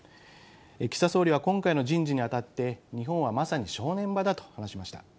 岸田総理は今回の人事にあたって、日本はまさに正念場だと話しました。